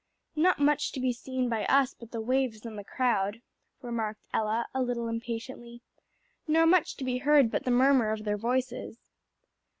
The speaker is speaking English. "Not much to be seen by us but the waves and the crowd," remarked Ella, a little impatiently. "Nor much to be heard but the murmur of their voices."